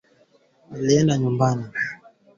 viazi lishe husaidia mfumo wa ukuaji bora